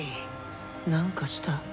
何かした？